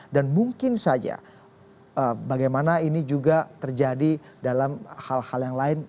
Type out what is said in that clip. dan mungkin saja bagaimana ini juga terjadi dalam hal hal yang lain